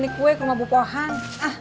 di kue ke rumah bu pohan